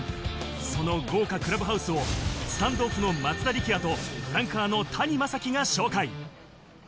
その豪華クラブハウスをスタンドオフの松田力也とフランカーの谷昌樹が紹介。